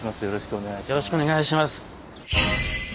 よろしくお願いします。